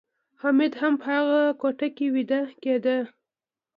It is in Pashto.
حمید هم په هغه کوټه کې ویده کېده